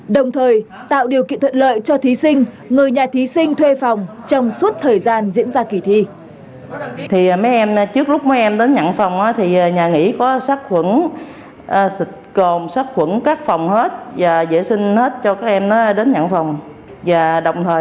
đồng thời tạo điều kiện thuận lợi cho thí sinh người nhà thí sinh thuê phòng trong suốt thời gian diễn ra kỳ thi